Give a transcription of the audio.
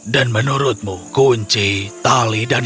dan menurutmu kunci tali dan lainnya